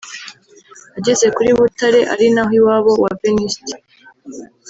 Ageze kuli Butare ari naho iwabo wa Venuste